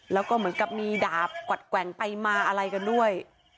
แล้วก็เหมือนกับมีดาบกวัดแกว่งไปมาอะไรกันด้วย